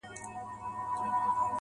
دا درېيم ځل دی چي مات زړه ټولوم